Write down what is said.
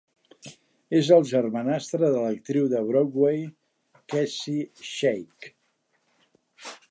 Es el germanastre de l'actriu de Broadway, Kacie Sheik.